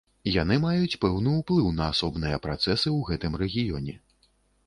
Яны маюць пэўны ўплыў на асобныя працэсы ў гэтым рэгіёне.